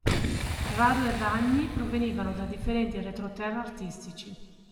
Rado e Ragni provenivano da differenti retroterra artistici.